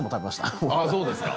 あぁそうですか